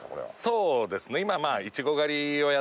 そうですね。